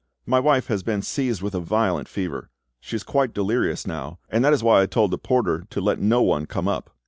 "My wife has been seized with a violent fever; she is quite delirious now, and that is why I told the porter to let no one come up."